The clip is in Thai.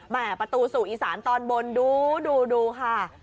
ประตูสู่อีสานตอนบนดูดูค่ะ